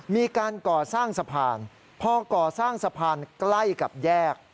มีการก่อสร้างสะพานพอก่อสร้างสะพานใกล้กับแยก